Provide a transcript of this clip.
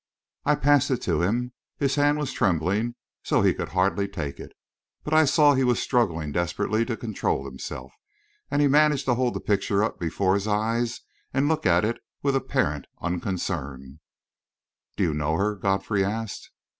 I passed it to him. His hand was trembling so he could hardly take it; but I saw he was struggling desperately to control himself, and he managed to hold the picture up before his eyes and look at it with apparent unconcern. "Do you know her?" Godfrey asked.